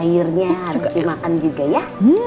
airnya harus dimakan juga ya